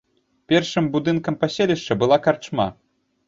Першым будынкам паселішча была карчма.